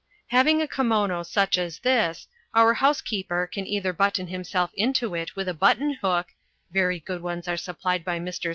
Having a kimono such as this, our housekeeper can either button himself into it with a button hook (very good ones are supplied by Messrs.